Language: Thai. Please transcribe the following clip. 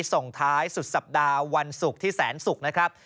ส่งท้ายสุดสัปดาห์วันศุกร์ที่แสนศุกร์นะครับ